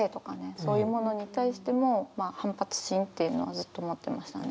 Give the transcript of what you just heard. そういうものに対しても反発心っていうのはずっと持ってましたね。